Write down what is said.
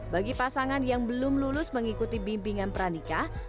bagi pasangan yang belum lulus mengikuti bimbingan pernikah